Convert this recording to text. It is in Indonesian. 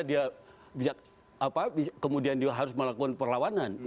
dia kemudian juga harus melakukan perlawanan